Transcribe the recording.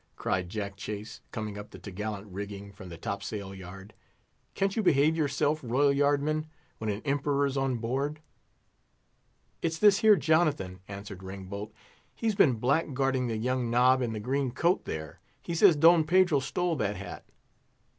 cried Jack Chase, coming up the t' gallant rigging from the top sail yard. "Can't you behave yourself, royal yard men, when an Emperor's on board?" "It's this here Jonathan," answered Ringbolt; "he's been blackguarding the young nob in the green coat, there. He says Don Pedro stole his hat."